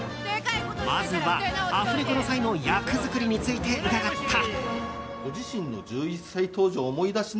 まずはアフレコの際の役作りについて伺った。